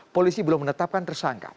polisi belum menetapkan tersangka